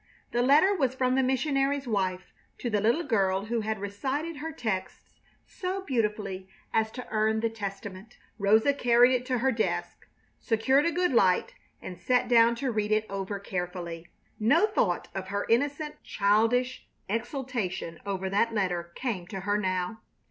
The letter was from the missionary's wife to the little girl who had recited her texts so beautifully as to earn the Testament. Rosa carried it to her desk, secured a good light, and sat down to read it over carefully. No thought of her innocent childish exultation over that letter came to her now.